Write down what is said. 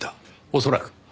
恐らく。